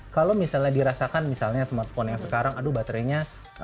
kalau misalnya dirasakan misalnya smartphone yang sekarang aduh baterainya